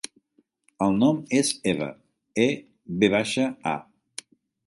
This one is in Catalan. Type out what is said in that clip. El nom és Eva: e, ve baixa, a.